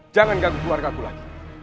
jangan ganggu keluarga aku lagi